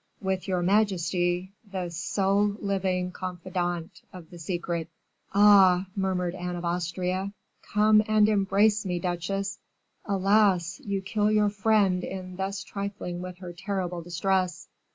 "With your majesty, the sole living confidante of the secret." "Ah!" murmured Anne of Austria; "come and embrace me, duchesse. Alas! you kill your friend in thus trifling with her terrible distress."